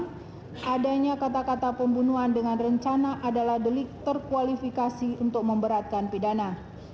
karena adanya kata kata pembunuhan dengan rencana adalah delik terkualifikasi untuk memberatkan pidana